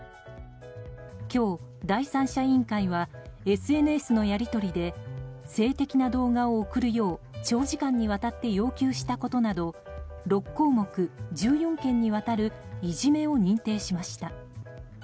今日、第三者委員会はＳＮＳのやり取りで性的な動画を送るよう長時間にわたって要求したことなど６項目１４件にわたるいじめを認定しました。